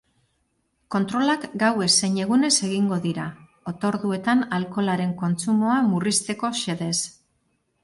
Kontrolak gauez zein egunez egingo dira, otorduetan alkoholaren kontsumoa murrizteko xedez.